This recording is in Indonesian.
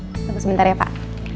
tunggu sebentar ya pak